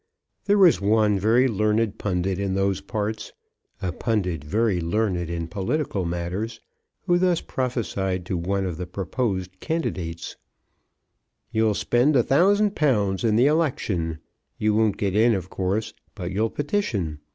There was one very learned pundit in those parts, a pundit very learned in political matters, who thus prophesied to one of the proposed candidates; "You'll spend a thousand pounds in the election. You won't get in, of course, but you'll petition.